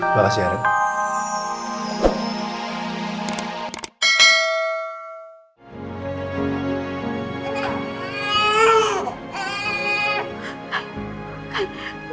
balas ya arend